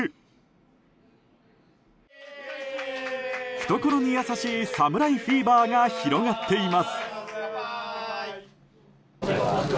懐に優しい侍フィーバーが広がっています。